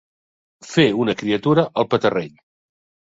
Fer, una criatura, el petarrell.